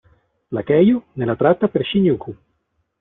La Keio nella tratta per Shinjuku.